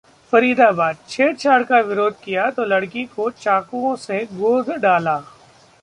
फरीदाबादः छेड़छाड़ का विरोध किया तो लड़की को चाकुओं से गोद डाला